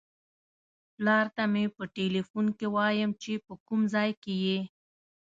پلار ته مې په ټیلیفون کې وایم چې په کوم ځای کې یې.